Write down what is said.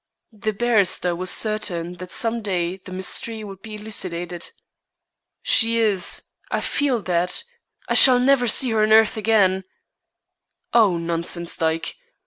The barrister was certain that some day the mystery would be elucidated. "She is. I feel that. I shall never see her on earth again." "Oh, nonsense, Dyke.